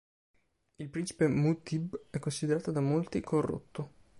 Il principe Mutʿib è considerato da molti corrotto.